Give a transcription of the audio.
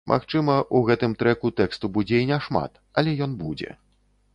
Магчыма, у гэтым трэку тэксту будзе і няшмат, але ён будзе.